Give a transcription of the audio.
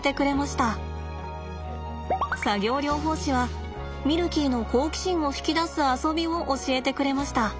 作業療法士はミルキーの好奇心を引き出す遊びを教えてくれました。